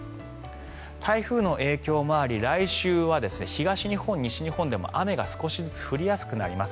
台風の影響もあり来週は東日本、西日本でも雨が少しずつ降りやすくなります。